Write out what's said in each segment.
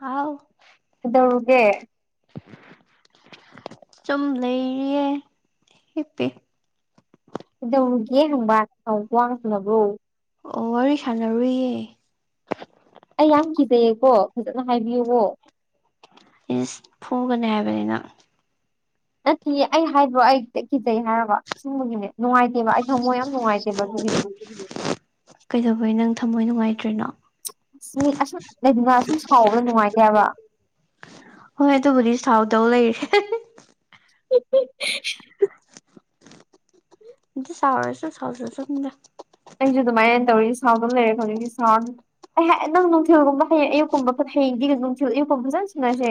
ꯍꯥꯎ ꯀꯗꯧꯔꯒꯦ ꯁꯨꯝ ꯂꯩꯔꯤꯌꯦ ꯏ ꯄꯦ ꯀꯗꯧꯒꯦ ꯍꯪꯕ ꯋꯥꯡ ꯁꯅꯕ꯭ꯔꯣ ꯑꯣ ꯋꯥꯔꯤ ꯁꯥꯟꯅꯔꯨꯏꯌꯦ ꯑꯩ ꯌꯥꯝ ꯀꯤꯖꯩꯌꯦꯀꯣ ꯐꯖꯅ ꯍꯥꯏꯕꯤꯌꯨꯕꯣ ꯏꯁ ꯐꯨꯒꯅꯤ ꯍꯥꯏꯕꯅꯤꯅ ꯅꯠꯇꯦ ꯑꯩ ꯍꯥꯏꯕ꯭ꯔꯣ ꯑꯩꯦꯛꯈꯤꯖꯩ ꯍꯥꯏꯔꯕ ꯁꯤꯨꯝꯕꯒꯤꯅꯦ ꯅꯨꯡꯉꯥꯏꯇ ꯏꯦꯕ ꯑꯩ ꯊꯝꯃꯣꯏ ꯌꯥꯝ ꯅꯨꯡꯉꯥꯏꯇꯦꯕ ꯑꯗꯨꯒꯤꯅꯦ ꯀꯩꯗꯧꯕꯩ ꯅꯪ ꯊꯝꯃꯣꯏ ꯅꯨꯡꯉꯥꯏꯇ꯭ꯔꯤꯅꯣ ꯑ ꯃꯤ ꯑꯁꯨꯝ ꯂꯩꯗꯨꯅ ꯑꯁꯨꯝ ꯁꯥꯎꯕꯗ ꯅꯨꯡꯉꯥꯏꯇꯦꯕ ꯍꯣꯏ ꯑꯗꯨꯕꯨꯗꯤ ꯁꯥꯎꯗꯧ ꯂꯩꯔꯦ [unintelligible] ꯁꯥꯥꯎꯔꯁꯨ ꯁꯥꯎꯖꯁꯅꯨꯗ ꯑꯩꯁꯨ ꯑꯗꯨꯃꯥꯏꯅ ꯇꯧꯔꯤ ꯁꯥꯎꯟꯗ ꯂꯩꯔꯦ ꯍꯧꯖꯤꯇꯤ ꯁꯥꯎꯑꯅꯨ ꯑꯩ ꯅꯪ ꯅꯨꯡꯊꯤꯜꯒꯨꯝꯕ ꯍꯌꯦꯡ ꯑꯌꯨꯛꯀꯨꯝꯕ ꯍꯌꯦꯡꯗꯤ ꯅꯨꯡꯊꯤꯜ ꯑꯌꯨꯛꯀꯨꯝꯕ ꯐꯖꯅ ꯁꯤꯟꯅꯁꯦ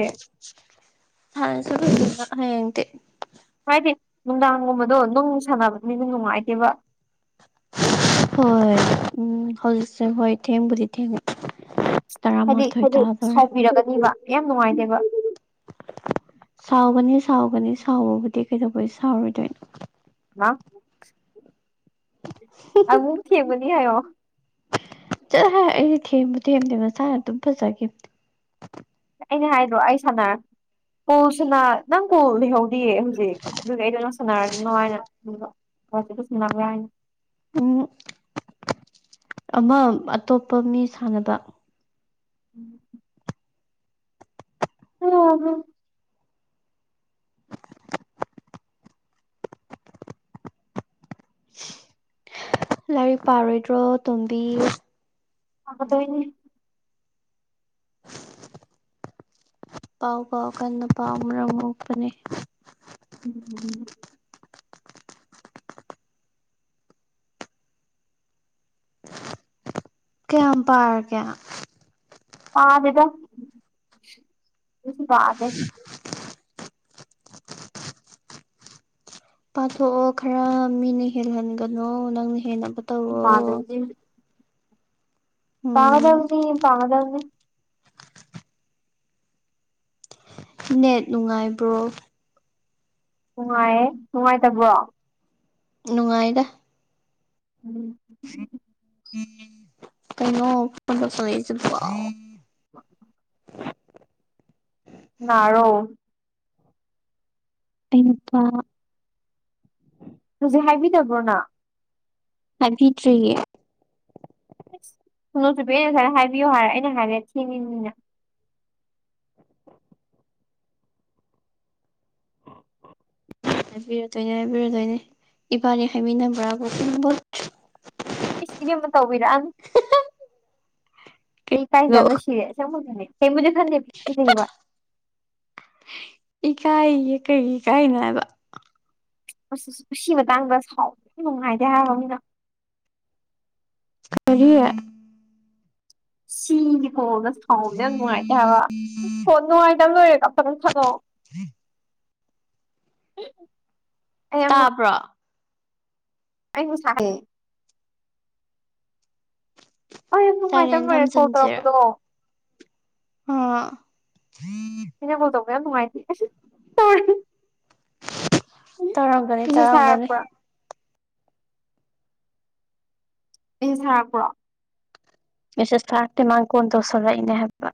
ꯁꯥꯅꯁ‌ꯦ ꯐꯖꯅ ꯍꯌ‌ꯦꯡꯗꯤ ꯍꯥꯏꯗꯤ ꯅꯨꯡꯗꯥꯡꯒꯨꯝꯕꯗꯣ ꯅꯨꯡ ꯁꯥꯟꯅꯕ ꯃꯤꯗꯤ ꯅꯨꯡꯉꯥꯏꯇꯦꯕ ꯍꯣꯏ ꯎꯝ ꯍꯧꯖꯤꯛꯁꯦ ꯍꯣꯏ ꯊꯦꯡꯕꯨꯗꯤ ꯊꯦꯡꯉ‌ꯦ ꯇꯔꯥ ꯍꯥꯏꯗꯤ ꯃꯊ‌ꯣꯏ ꯇꯥꯗ‌ꯣꯔꯦ ꯁꯥꯎꯕꯤꯔꯛꯀꯅꯤꯕ ꯌꯥꯝ ꯅꯨꯡꯉꯥꯏꯇꯦꯕ ꯁꯥꯎꯒꯅꯤ ꯁꯥꯎꯒꯅꯤ ꯁꯥꯎꯕꯕꯨꯗꯤ ꯀꯩꯗꯧꯕꯩ ꯁꯥꯎꯔꯣꯏꯗꯣꯏꯅꯣ [unintelligible] ꯑꯃꯨꯛ‌ ꯊꯦꯝꯒꯅꯤ ꯍꯥꯏꯌꯣ ꯆꯠꯂꯍ‌ꯦ ꯑꯩꯗꯤ ꯊꯦꯝꯕꯨ ꯊꯦꯝꯗꯦ ꯃꯁꯥꯅ ꯑꯗꯨꯝ ꯐꯖꯒꯤꯝ ꯑꯩꯅ ꯍꯥꯏꯗ꯭ꯔꯣ ꯑꯩ ꯁꯥꯟꯅꯔꯦ ꯀꯣꯜꯁꯤꯅ ꯅꯪ ꯀꯣꯜ ꯂꯩꯍꯧ ꯗꯤꯌꯦ ꯍꯧꯖꯤꯛ ꯑꯗꯨꯒꯤ ꯑꯩꯗꯣ ꯅꯪ ꯁꯥꯟꯅꯔꯖꯅ‌ꯣ ꯍꯥꯏꯅꯥ ꯈꯟꯕ ꯍꯧꯕꯗ ꯁꯅꯥꯕꯔ ꯍꯥꯏꯅ ꯎꯝ ꯑꯃ ꯑꯇꯣꯞꯄ ꯃꯤ ꯁꯥꯟꯅꯕ [inaudible] ꯑꯣ ꯍ ꯂꯥꯏꯔꯤꯛ ꯄꯥꯔꯣꯏꯗ꯭ꯔꯣ ꯇꯣꯝꯕꯤ ꯄꯒꯗ‌ꯣꯏ ꯅꯤ ꯄꯥꯎ ꯄꯥꯎ ꯀꯟꯅ ꯄꯥꯎ ꯃꯔꯝ ꯃ‌ꯣꯛꯄꯅꯦ ꯎꯝ ꯀꯌꯥꯝ ꯄꯥꯔꯒꯦ ꯄꯥꯗ‌ꯦꯗ [inaudible] ꯄꯥꯊꯣꯛꯑꯣ ꯈꯔ ꯃꯤꯅ ꯍꯦꯜꯍꯟꯒꯅꯣ ꯅꯪꯅ ꯍꯦꯟꯕ ꯇꯧꯑꯣ ꯄꯥꯗꯣꯏꯅꯤ ꯎꯝ ꯄꯥꯒꯗꯕꯅꯤ ꯄꯥꯒꯗꯧꯅꯤ ꯅꯦꯠ ꯅꯨꯡꯉꯥꯏꯕ꯭ꯔꯣ ꯅꯨꯡꯉꯥꯏꯌꯦ ꯅꯨꯡꯉꯥꯏꯇꯕ꯭ꯔꯣ ꯅꯨꯡꯉꯥꯏꯗ ꯎꯝ ꯀꯩꯅꯣ ꯐ‌ꯣꯟ ꯇꯧꯁꯟꯂꯛꯏ ꯖꯤꯕ‌ꯣ [inaudible] ꯀꯅꯥꯔꯣ ꯑꯩ ꯅꯨꯄꯥ ꯍꯧꯖꯤꯛ ꯍꯥꯏꯕꯤꯗꯕ꯭ꯔꯣ ꯅ ꯍꯥꯏꯕꯤꯗꯔꯤꯌꯦ ꯏꯁ ꯁ‌ꯣꯅ‌ꯣꯆꯨꯕꯤ ꯑꯩꯅ ꯉꯁꯥꯏꯅ ꯍꯥꯏꯕꯤꯌꯨ ꯍꯥꯏꯔꯦ ꯑꯩꯅ ꯍꯥꯏꯔ‌ꯦ ꯊ‌ꯦꯡꯏꯅꯤꯅ‌ꯦ ꯍꯥꯏꯕꯤꯔꯗꯣꯏꯅꯦ ꯍꯥꯏꯕꯤꯔꯗꯣꯏꯅꯦ ꯏꯕꯥꯅꯤ ꯍꯥꯏꯃꯤꯟ ꯅꯕ꯭ꯔꯕꯨ ꯈꯪꯕ‌ꯣꯟ ꯏꯁ ꯏꯕꯤꯝꯃꯥ ꯇꯧꯕꯤꯔꯛ ꯑꯅꯨ ꯑꯩ ꯀꯩꯅꯣ ꯏꯀꯥꯏꯖꯥꯕꯅ ꯁꯤꯔꯦ ꯑꯁ‌ꯦꯡꯕꯒꯤ ꯅꯦ ꯀꯩꯌꯝ ꯕꯨꯗꯤ ꯈꯟꯗꯦ ꯀꯤꯖꯩꯌ‌ꯦꯕ ꯏꯀꯥꯏꯌꯦ ꯀꯩꯒꯤ ꯏꯀꯥꯏꯅꯣ ꯍꯥꯏꯕ ꯑꯁ ꯄꯨꯁꯤ ꯃꯇꯥꯡꯗ ꯁꯥꯎꯕꯗꯤ ꯅꯨꯡꯉꯥꯏꯇꯦ ꯍꯥꯏꯕ ꯃꯤꯅ ꯀꯔꯤ ꯁꯤꯒꯤ ꯀꯣꯜ ꯗ ꯁꯥꯎꯟ ꯖ‌ꯦ ꯌꯥꯝ ꯅꯨꯡꯉꯥꯏꯇꯦ ꯍꯥꯏꯕ ꯑ‌ꯣ ꯅꯨꯡꯉꯥꯏꯇꯕ ꯂꯣꯏꯔꯦ ꯑꯝꯇ ꯀꯛ ꯊꯠꯂ‌‌ꯣ [unintelligible] [unintelligible] ꯑꯩ ꯌꯥꯝ ꯇꯥꯕ꯭ꯔꯣ ꯑꯩ [unintelligible] ꯑꯩ ꯃꯨꯛ ꯉꯥꯛꯇꯪ ꯁꯥꯏꯂꯦꯟ ꯂꯩꯔ ꯀꯣꯜ ꯇꯧꯔꯛꯄꯗꯣ ꯑꯥ ꯍꯅꯀꯣꯜ ꯇꯧꯕ ꯌꯥꯝ ꯅꯨꯡꯉꯥꯏꯇꯦꯣꯔꯤ ꯇꯥꯔꯒꯅꯤ ꯃꯦꯁꯦꯁ ꯇꯥꯔꯒꯅꯤ ꯊꯥꯔꯛꯄ꯭ꯔꯣ ꯑꯩ ꯁꯥꯔꯛꯄ꯭ꯔꯣ ꯁꯦꯁꯇꯦ ꯃ ꯀꯣꯟꯟ ꯇꯧꯁꯜꯂ ꯏꯅꯦ ꯍꯄꯥ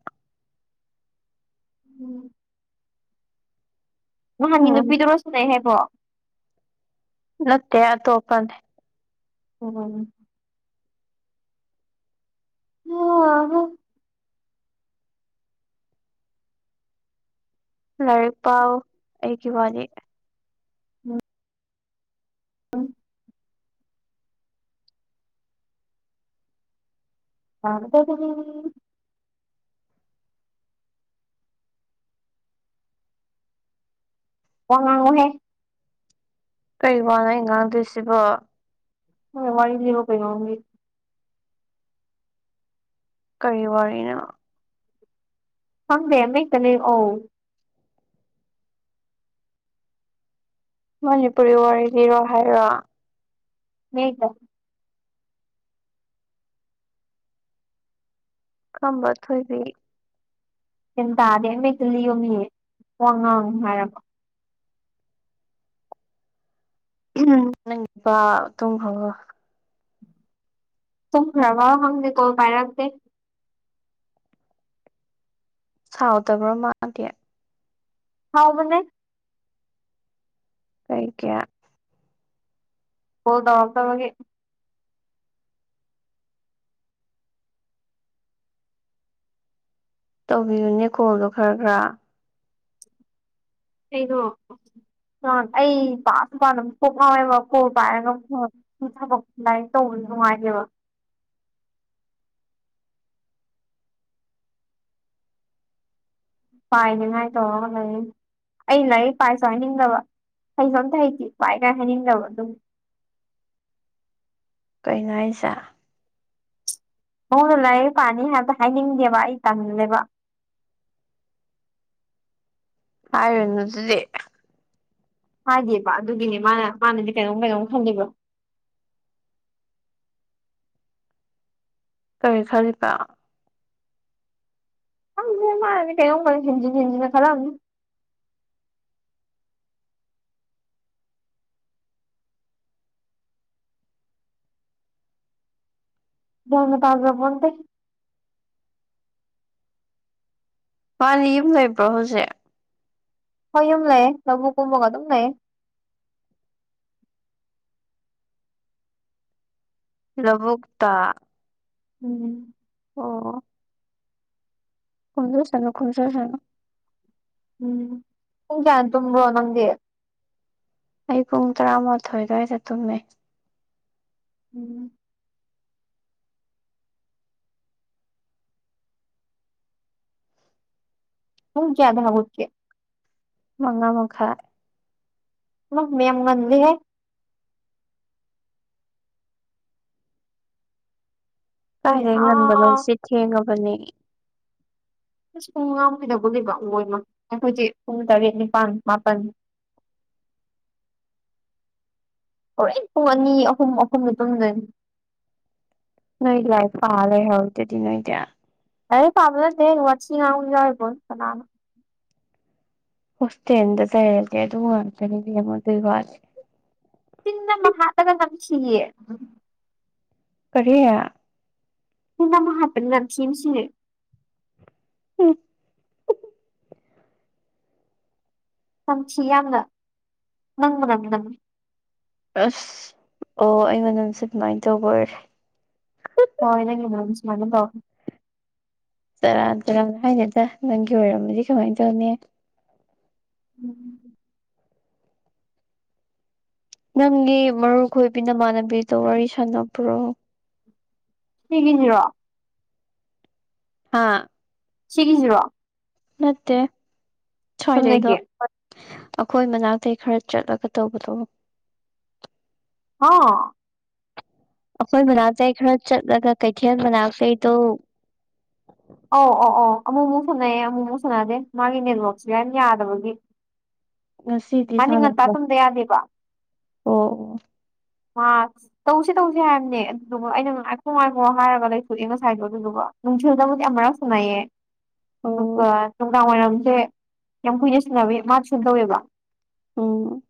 ꯎꯝ ꯅꯍꯥꯟꯒꯤ ꯎꯝ ꯅꯨꯄꯤꯗꯨꯔꯣꯁꯨꯅꯩ ꯍꯥꯏꯕꯣ ꯅꯠꯇ ꯇꯣꯄ ꯑꯣ ꯑꯣ ꯂꯥꯏꯔꯤꯛ ꯄꯥꯎ ꯑꯩꯒꯤ ꯋꯥꯅꯤ ꯎꯝ ꯑ ꯑ ꯀꯣꯟꯉꯨꯍꯦ ꯀꯔꯤ ꯋꯥꯠꯅꯣ ꯑꯩ ꯉꯥꯡꯗꯣꯏꯁꯤꯕꯣ ꯍꯣꯏ ꯋꯥꯗꯤꯔ ꯀꯩ ꯌꯥꯒꯤ ꯀꯔꯤ ꯋꯥꯔꯤꯅ ꯍꯪꯗꯦ ꯃꯃꯦꯇꯅꯦ ꯑꯣ ꯃꯅꯤꯄꯨꯔꯤ ꯋꯥꯔꯤ ꯂꯤꯔꯣ ꯍꯥꯏꯔꯣ ꯍꯇ ꯈꯝꯕ ꯊꯣꯏꯗꯤ ꯍꯦꯟ ꯇꯥꯗꯤ ꯑꯩ ꯃꯛꯇꯨꯜꯂꯤꯌꯣꯃꯤꯌꯦ ꯋꯥꯉꯥꯡ ꯍꯥꯏꯔꯕ ꯎ ꯅꯪꯒꯤꯄꯥ ꯇꯨꯡꯈ꯭ꯔꯕ ꯇꯨꯡ꯭ꯔꯕ ꯍꯪꯅꯤ ꯀꯣ ꯄꯥꯏꯔꯗꯦ ꯁꯥꯎꯗꯕ꯭ꯔ ꯃꯥꯥꯟꯗꯦ ꯍꯥꯎ ꯃꯅꯦ ꯀꯩ ꯀ ꯍꯣꯗ ꯃꯥꯒꯤ ꯇꯧꯕꯤꯌꯨꯅꯦ ꯀꯣꯜꯗꯣ ꯈꯔ ꯈꯔ ꯑꯩꯗꯣ ꯑꯩ ꯄꯥꯁꯨꯄꯥ ꯅ ꯄꯣꯛ ꯉꯥꯎꯋꯦꯕ ꯀꯣ ꯄꯥꯏꯔꯒ [inaudible] ꯊꯕꯛ ꯂꯥꯏꯔꯤꯛ ꯇꯧꯕꯁꯨ ꯅꯨꯡꯉꯥꯏꯇꯦꯕ ꯄꯥꯏꯅꯤꯉꯥꯏꯇꯧꯔꯒ ꯂꯩ ꯑꯩ ꯂꯥꯏꯔꯤꯛ ꯄꯥꯏꯁꯨ ꯍꯥꯏꯅꯤꯡꯗꯕ ꯍꯩꯁꯨ ꯑꯝꯇ ꯍꯩꯇꯦ ꯄꯥꯏ ꯀꯥꯏꯅ ꯍꯥꯏꯅꯤꯡꯗꯕ ꯑꯗꯨꯝ ꯀꯅꯣ ꯍꯥꯏꯁꯦ ꯅꯉꯣꯟꯗ ꯂꯥꯏꯔꯤꯛ ꯄꯥꯅꯤ ꯍꯥꯏꯕ ꯍꯥꯏꯅꯤꯡꯗꯦꯕ ꯑꯩ ꯇꯟꯂꯦꯕ ꯍꯥꯏꯔꯅꯨ ꯑꯗꯨꯗꯤ ꯍꯥꯏꯗꯦꯕ ꯑꯗꯨꯒꯤꯅꯦ ꯃꯥꯅ ꯃꯥꯅꯗꯤ ꯀꯩꯅꯣꯝ ꯀꯩꯅꯣꯝ ꯈꯟꯗꯣꯏꯕ ꯀꯔꯤ ꯈꯂꯤꯄ ꯈꯪꯗꯦ ꯃꯒꯤꯁꯦ ꯀꯩꯅꯣ ꯀꯩꯅꯣ ꯍꯦꯟꯖꯤꯟ ꯍꯦꯟꯖꯤꯟꯅ ꯈꯂꯝꯅꯤ ꯒꯌꯥꯟꯒ ꯇꯖꯄꯣꯠꯇꯦ ꯃꯥꯗꯤ ꯌꯨꯝ ꯂꯩꯕ꯭ꯔꯣ ꯍꯧꯖꯤꯛ ꯍꯣꯏ ꯌꯨꯝ ꯂꯩꯌꯦ ꯂꯧꯕꯨꯛ ꯀꯨꯝꯃꯒ ꯑꯗꯨꯝ ꯂꯩꯌꯦ ꯂꯧꯕꯨꯛꯇ ꯎꯨꯝ ꯑꯣ ꯀꯨꯝꯖꯁꯅꯨ ꯀꯨꯃꯖꯁꯅꯨ ꯎꯝ ꯄꯨꯡ ꯀꯌ ꯇꯨꯝꯕ꯭ꯔꯣ ꯅꯪꯗꯤ ꯑꯩ ꯄꯨꯡ ꯇꯔꯥꯃꯥꯊꯣꯏ ꯑꯗꯨꯋꯥꯏꯗ ꯇꯨꯝꯃꯦ ꯎꯝ ꯄꯨꯡ ꯀꯌꯥꯗ ꯍꯧꯒꯠꯀꯦ ꯃꯉꯥ ꯃꯈꯈꯥꯏ ꯃꯌꯥꯝ ꯉꯟꯂꯤꯍꯦ ꯑꯩꯈꯣꯏꯗꯤ ꯀꯥꯏꯗꯩ ꯉꯟꯕꯅꯣ ꯑꯥ ꯁꯤ ꯊꯦꯡꯉꯕꯅꯦ ꯄꯨꯡ ꯃꯉꯥ ꯃꯈꯥꯏꯗ ꯍꯧꯒꯠꯂꯤꯕ ꯃꯣꯏꯃ ꯑꯩꯈꯣꯏꯗꯤ ꯄꯨꯡ ꯇꯔꯦꯠ ꯅꯤꯄꯥꯟ ꯃꯥꯄꯟ ꯍꯣꯔꯦꯟ ꯄꯨꯡ ꯑꯅꯤ ꯑꯍꯨꯝ ꯑꯍꯨꯝꯗ ꯇꯨꯝꯗꯣꯏꯅꯤ ꯅꯣꯏ ꯂꯥꯏꯔꯤꯛ ꯄꯔꯥ ꯂꯩ ꯍꯔꯧꯔꯤꯗꯨꯗꯤ ꯅꯣꯏꯗꯤ ꯂꯥꯏꯔꯤꯛ ꯄꯕ ꯅꯇꯦꯍꯦ ꯋꯥꯠꯊꯤ ꯉꯥꯡꯕ ꯌꯥꯎꯔꯤꯄꯣꯠꯅꯤ ꯀꯅꯅ ꯍꯣꯁꯇꯦꯜꯗ ꯂꯩꯔꯗꯤ ꯑꯗꯨꯝ ꯉꯥꯛꯇꯅꯤ ꯕꯦꯝꯃ ꯑꯗꯨꯒꯤ ꯋꯥꯗꯤ ꯇꯤꯟ ꯑꯃ ꯍꯥꯠꯂꯒ ꯅꯝꯊꯤꯌꯦ ꯀꯔꯤ ꯇꯤꯟ ꯑꯃ ꯍꯥꯠꯄꯅꯦ ꯅꯝꯊꯤꯅ ꯁꯤꯔꯦ ꯎꯝ ꯅꯝꯊꯤ ꯌꯥꯝꯅ ꯅꯪ ꯃꯅꯝ ꯅꯝꯃꯦ ꯑꯁ ꯑꯣ ꯑꯩ ꯃꯅꯝꯁꯦ ꯑꯗꯨꯃꯥꯏꯅ ꯇꯧꯕ ꯑꯣꯏꯔꯦ ꯍꯣꯏ ꯅꯣꯒꯤ ꯃꯅꯝ ꯁꯨꯃꯥꯏꯅ ꯇꯧꯏ ꯁꯪꯔꯥꯟ ꯇꯨꯔꯥꯟ ꯍꯥꯏꯅꯤꯗ ꯅꯪꯒꯤ ꯑꯣꯏꯔꯝꯃꯗꯤ ꯀꯃꯥꯏꯅ ꯇꯧꯅꯤ ꯎꯝ ꯅꯪꯒꯤ ꯃꯔꯨ ꯈꯣꯏꯕꯤ ꯅꯃꯥꯟꯅꯕꯤꯗꯣ ꯋꯥꯔꯤ ꯁꯥꯟꯅꯕ꯭ꯔꯣ [unintelligible] ꯑꯥ ꯁꯤꯒꯤ ꯁꯤꯔꯣ ꯅꯠꯇꯦ ꯁꯋꯥꯏꯗꯩꯗꯣ ꯆꯨꯝꯅꯒꯤ ꯑꯩꯈꯣꯏ ꯃꯅꯥꯛꯇꯇꯩ ꯈꯔ ꯆꯠꯂꯒ ꯇꯧꯕꯗꯣ ꯍꯥ ꯑꯩꯈꯣꯏ ꯃꯅꯥꯛꯇꯩ ꯈꯔ ꯆꯠꯂꯒ ꯀꯩꯊꯦꯜ ꯃꯅꯥꯛꯇꯩꯗꯣ ꯑꯧ ꯑꯧ ꯑꯧ ꯑꯃꯨꯛꯨꯛ ꯁꯥꯟꯅꯩꯑꯌꯦ ꯑꯃꯨꯛꯃꯨꯛ ꯁꯥꯟꯅꯑꯗꯦ ꯃꯥꯒꯤ ꯅꯦꯠꯋꯔꯛꯁꯦ ꯌꯥꯝ ꯌꯥꯗꯕꯒꯤ ꯉꯁꯤꯗꯤ ꯉꯗꯤ ꯉꯟꯇꯥ ꯁꯥꯟꯅꯕ ꯇꯨꯝꯗ ꯌꯥꯗꯦꯕ ꯑꯣ ꯃꯥ ꯇꯧꯁꯦ ꯇꯧꯁꯦ ꯍꯥꯏꯕꯅꯦ ꯑꯗꯨꯗꯨꯒ ꯑꯩꯅ ꯉꯥꯏꯈꯣ ꯉꯥꯏꯈꯣ ꯍꯥꯏꯔꯒ ꯂꯩꯊꯣꯛꯑꯦ ꯉꯁꯥꯏꯗꯣ ꯑꯗꯨꯗꯨꯒ ꯅ ꯍꯖ ꯃꯗꯤ ꯑ ꯑꯃꯔꯁꯨꯅꯥꯏꯌꯦ ꯑꯣ ꯑꯗꯨꯒ ꯅꯨꯡꯗꯥꯡ ꯋꯥꯏꯔꯝꯁꯦ ꯌꯥꯝ ꯀꯨꯏꯅ ꯁꯨꯟꯅꯕꯤ ꯃꯥ ꯁꯨꯅ ꯇꯧꯋꯦꯕ ꯑꯣ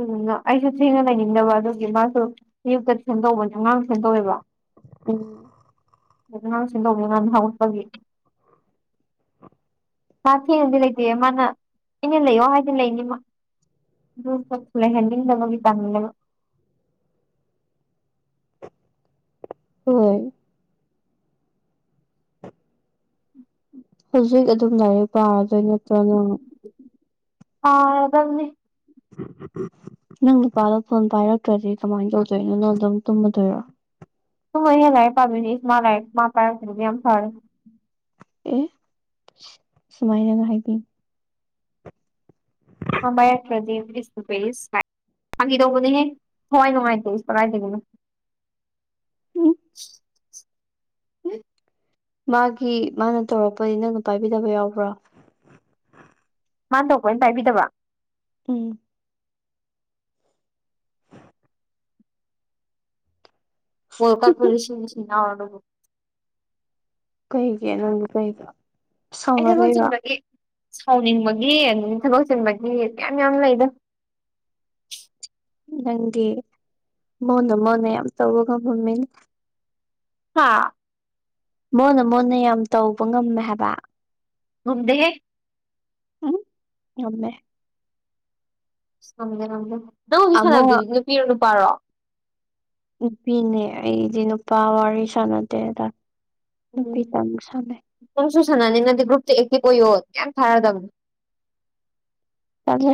ꯑꯗꯨ ꯑꯩꯁꯨ ꯊꯦꯡꯅ ꯂꯩꯅꯤꯡꯗꯕ ꯑꯗꯨꯒꯤ ꯃꯥꯁꯨ ꯑꯌꯨꯛꯇ ꯁ ꯇꯧꯕꯅꯦ ꯑꯉꯥꯡ ꯁꯦꯝꯗꯣꯛꯑꯦꯕ ꯎꯝ ꯑꯗꯨ ꯉꯥꯡ ꯁꯦꯝꯗꯣꯛꯅꯦ ꯉꯥꯡ ꯊ ꯎꯠꯄꯒꯤ ꯃꯥ ꯊꯦꯡꯅꯗꯤ ꯂꯩꯇꯦꯌꯦ ꯃꯥꯅ ꯑꯩꯅ ꯂꯩꯌꯣ ꯍꯥꯏꯗꯤ ꯂꯩꯅꯤꯃ ꯑꯗꯨꯁꯨ ꯊꯂꯦꯍꯦꯟꯅꯤꯡꯗꯕꯒꯤ ꯇꯥꯡꯃꯤꯅꯦꯕ ꯍꯣꯏꯣꯏ ꯍꯧꯖꯤꯛ ꯑꯗꯨꯝ ꯂꯥꯏꯔꯤꯛ ꯄꯥꯔꯗꯣꯏ ꯅꯠꯇ꯭ꯔꯅ ꯑꯅꯤ ꯅꯪ ꯅꯨꯄꯥꯗꯣ ꯐꯣꯟ ꯄꯥꯏꯔꯛꯇ꯭ꯔꯗꯤ ꯀꯃꯥꯏꯅ ꯇꯧꯗꯣꯏꯅꯣꯅꯪ ꯑꯗꯨꯝ ꯇꯨꯝꯃꯗꯣꯏꯔꯣ ꯨ ꯃ ꯍꯦ ꯂꯥꯏ ꯄꯃꯤꯅꯤ ꯃꯥ ꯂꯥꯏ ꯃꯥ ꯄꯥꯏꯒꯝ ꯐꯔ ꯑꯦ ꯁꯨꯃꯥꯏꯅꯅ ꯍꯥꯏꯗꯤ ꯕꯔꯛꯇ꯭ꯔꯗꯤ ꯐꯪꯈꯤꯗꯧꯕꯅꯦꯍꯦ ꯊꯋꯥꯏ ꯅꯨꯡꯉꯥꯏꯇꯦ ꯏꯁ ꯀꯗꯥꯏꯗꯒꯤꯅꯣ ꯎꯝ ꯃꯥꯒꯤ ꯃꯥꯅ ꯇꯧꯔꯛꯄꯗꯤ ꯅꯪꯅ ꯄꯥꯏꯕꯤꯗꯕ ꯌꯥꯎꯕ꯭ꯔꯥ ꯃꯥꯥꯟ ꯇꯧꯕ ꯑꯣꯏꯅ ꯄꯥꯏꯕꯤꯗꯕ ꯎꯝ ꯄꯣ ꯄꯨꯔꯁꯤ ꯀꯩꯒꯤ ꯅꯪꯒ ꯀꯩꯒ ꯑꯩ ꯊꯕꯛ ꯆꯤꯟꯕꯒꯤ ꯁꯥꯎꯅꯤꯡꯕꯒꯤ ꯑꯗꯨ ꯊꯕꯛ ꯆꯤꯟꯕꯒꯤ ꯀꯌꯥꯝ ꯌꯥꯝ ꯂꯩꯗ ꯅꯪꯒꯤ ꯃꯣꯟꯗ ꯃꯣꯟꯅ ꯌꯥꯝ ꯇꯧꯕꯒ ꯃꯃꯤꯡ ꯍꯥꯥ ꯃꯣꯟꯅ ꯃꯣꯟꯅ ꯌꯥꯝ ꯇꯧꯕ ꯉꯝꯃꯦ ꯍꯥꯏꯕ ꯉꯝꯗꯦꯍꯦ ꯎꯝ ꯉꯝꯃꯦ ꯑꯁ ꯉꯝꯗꯦ ꯉꯝꯗꯦ ꯅꯪ ꯍꯧꯖꯤꯛ ꯑꯃ ꯁꯥꯟꯅꯕꯗꯨꯗꯤ ꯅꯨꯄꯤꯔꯣ ꯅꯨꯄꯥꯔꯣ ꯅꯨꯄꯤꯅꯦ ꯑꯩꯗꯤ ꯅꯨꯄꯥ ꯋꯥꯔꯤ ꯁꯥꯟꯅꯗꯦꯗ ꯅꯨꯄꯤ ꯇꯪ ꯁꯥꯟꯅꯩ ꯅꯝꯁꯨ ꯁꯥꯟꯅꯅꯤꯅꯗꯤ ꯒ꯭ꯔꯨꯞꯇ ꯑꯦꯛꯇꯤ ꯑꫭꯏꯌꯣ ꯌꯥꯝ ꯊꯥꯔꯛ ꯑꯗꯕꯅꯤ ꯇꯥꯜꯂꯦ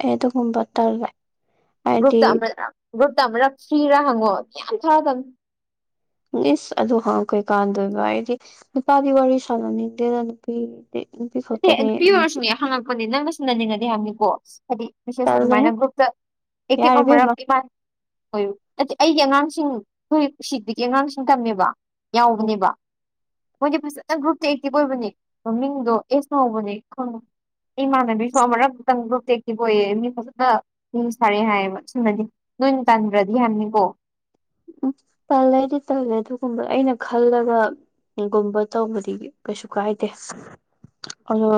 ꯑꯩ ꯑꯗꯨꯒꯨꯝꯕ ꯇꯥꯜꯂꯦ ꯒ꯭ꯔꯨꯞꯇ ꯑꯃꯨꯔꯥꯛ ꯒ꯭ꯔꯨꯞꯇ ꯑꯃꯨꯔꯥꯛ ꯐ꯭ꯔꯤꯔꯥ ꯍꯪꯉꯛꯑꯣ ꯃꯌꯥꯝ ꯊꯥꯔꯛꯑꯗꯨꯕꯅꯤ ꯏꯁꯁ ꯑꯗꯨ ꯍꯪꯉꯥ ꯀꯩꯀꯥꯟꯅꯗꯣꯏꯕ ꯑꯩꯗꯤ ꯅꯨꯄꯥꯗꯤ ꯋꯥꯔꯤ ꯁꯥꯟꯅꯅꯤꯡꯗꯦꯗ ꯅꯨꯄꯤ ꯗꯤ ꯅꯨꯄꯤ ꯅꯠꯇꯦ ꯈꯠꯇꯥꯅꯦ ꯅꯨꯄꯤ ꯑꯣꯏꯔꯁꯨꯅꯦ ꯍꯪꯉꯛꯄꯅꯦ ꯅꯪꯅ ꯁꯤꯟꯅꯅꯤꯡꯉꯗꯤ ꯍꯥꯏꯕꯅꯤꯀꯣ ꯍꯥꯏꯗꯤ ꯃꯤꯁꯦꯁ ꯇꯜꯂꯦꯍꯦ ꯑꯗꯨꯃꯥꯏꯅ ꯒ꯭ꯔꯨꯞꯇ ꯑꯦꯛꯇꯤꯞ ꯌꯥꯔꯦ ꯑꯃꯨꯔꯥꯛ ꯏꯕꯦꯝꯃ ꯏꯕꯥꯅꯤ ꯍꯣꯏ ꯑ ꯑꯩꯒꯤ ꯑꯉꯥꯡꯁꯤꯡ ꯍꯈꯣꯏ ꯎꯁꯤꯠꯇꯒꯤ ꯑꯉꯥꯡꯁꯤꯡ ꯇꯝꯃꯦꯕ ꯎꯝ ꯌꯥꯎꯕꯅꯦꯕ ꯃꯣꯏꯗꯤ ꯐꯖꯅ ꯒ꯭ꯔꯨꯞꯇ ꯑꯦꯛꯇꯤꯚ ꯑꯣꯏꯕꯅꯦ ꯃꯃꯤꯡꯗꯣ ꯑꯦꯁ ꯅ ꯍꯧꯕꯅꯦ ꯈꯪꯉꯨ ꯏꯃꯥꯟꯅꯕꯤꯁꯨ ꯑꯃꯨꯔꯛ ꯇꯪ ꯒ꯭ꯔꯨꯞ ꯑꯦꯛꯇꯤꯞ ꯑꯣꯏꯌꯦ ꯃꯤ ꯐꯖꯅ ꯃꯤꯡ ꯊꯔꯥꯛꯑꯦ ꯍꯥꯏꯌꯦꯕ ꯁꯤꯃꯗꯤ ꯅꯣꯏꯅ ꯇꯟꯗ꯭ꯔꯗꯤ ꯍꯥꯏꯕꯅꯤꯀꯣ ꯎꯝ ꯇꯜꯂꯦꯗꯤ ꯇꯜꯂꯦ ꯑꯗꯨꯒꯨꯝꯕ ꯑꯩꯅ ꯈꯜꯂꯒ ꯀꯩꯒꯨꯝꯕ ꯇꯧꯕꯗꯤ ꯀꯩꯁꯨ ꯀꯥꯏꯗꯦ ꯑꯗꯣ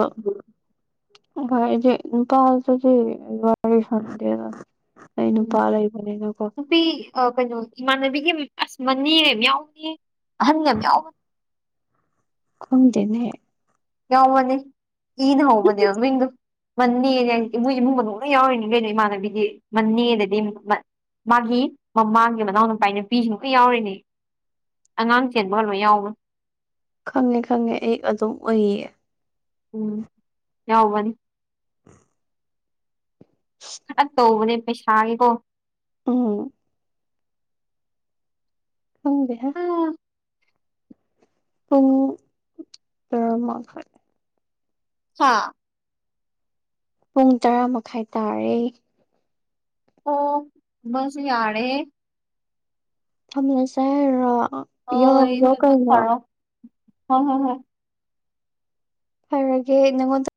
ꯍꯦ ꯑꯩꯗꯤ ꯅꯨꯄꯥꯗꯗꯤ ꯋꯥꯔꯤ ꯁꯟꯅꯗꯦꯗ ꯑꯩ ꯅꯨꯄꯥ ꯂꯩꯕꯅꯤꯅꯀꯣ ꯅꯨꯄꯤ ꯀꯩꯅꯣ ꯏꯃꯥꯟꯅꯕꯤꯒꯤ ꯑꯁ ꯃꯅꯦ ꯑꯃ ꯌꯥꯎꯅꯤ ꯑꯍꯟ ꯑꯃ ꯌꯥꯎꯕꯅꯤ ꯈꯪꯗꯦꯅꯦꯍꯦ ꯌꯥꯎꯕꯅꯤ ꯏꯅꯥ ꯍꯥꯎꯕꯅꯦ ꯃꯃꯤꯡꯗꯨ ꯃꯥꯅꯦꯅꯦ ꯍꯥꯏ ꯃꯣꯏ ꯏꯃꯨꯡ ꯃꯅꯨꯡ ꯂꫭꯏ ꯌꯥꯎꯔꯤꯅꯤ ꯀꯩꯅꯣ ꯏꯃꯥꯟꯅꯕꯤꯗꯤ ꯃꯥꯅꯦꯗꯗꯤ ꯃꯥꯒꯤ ꯃꯃꯥꯡꯒꯤ ꯃꯅꯥꯎ ꯅꯨꯨꯄꯥ ꯅꯨꯄꯤꯁꯤꯡ ꯂꫭꯏ ꯌꯥꯎꯔꯤꯅꯤ ꯑꯉꯥꯡ ꯆꯦꯟꯕꯒ ꯂꫭꯏ ꯌꯥꯎꯕꯅꯤ ꯈꯪꯉꯦ ꯈꯪꯉꯦ ꯑꯩ ꯑꯗꯨꯝ ꯎꯏꯌꯦ ꯎꯝ ꯌꯥꯎꯕꯅꯤ [inaudible] ꯈꯔ ꯇꯧꯕꯅꯦ ꯄꯩꯁꯥꯒꯤꯀꯣ ꯎꯝ ꯈꯪꯗ‌ꯦꯍ‌ꯦ ꯎꯝ ꯄꯨꯡ ꯕꯔꫭꯃꯈꯥꯏ ꯍꯥꯥ ꯄꯨꯡ ꯇꯔꯥ ꯃꯈꯥꯏ ꯇꯥꯔꯦ ꯑꯣ ꯃꯥꯁꯨ ꯌꯥꯔ‌ꯦ ꯊꯝꯂꯁꯦ ꯍꯥꯏꯔꯣ ꯌꯧꯍꯜꯂꫭ ꯀꯩꯅꯣ ꯍꫭꯏ ꯍꯣꯏ ꯍꫭꯏ ꯍꯥꯏꯔꯒꯦ ꯅꯪꯉꯣꯟꯗ